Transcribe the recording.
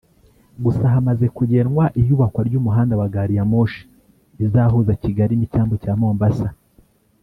gusa hamaze kugenwa iyubakwa ry’umuhanda wa gari ya moshi izahuza Kigali n’icyambu cya Mombasa